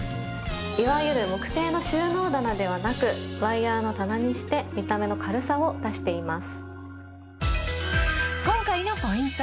いわゆる木製の収納棚ではなくワイヤーの棚にして見た目の軽さを出しています。